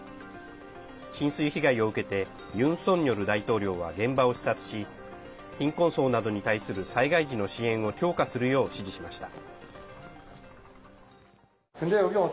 浸水被害を受けてユン・ソンニョル大統領は現場を視察し貧困層などに対する災害時の支援を強化するよう指示しました。